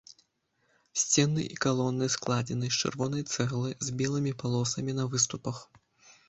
Сцены і калоны складзены з чырвонай цэглы з белымі палосамі на выступах.